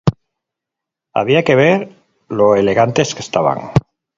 Había que ver lo elegantes que estaban.